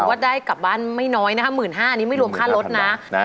ว่าได้กลับบ้านไม่น้อยนะคะ๑๕๐๐บาทนี่ไม่รวมค่ารถนะ